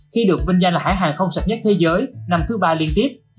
khi được vinh danh là hãng hàng không sạch nhất thế giới năm thứ ba liên tiếp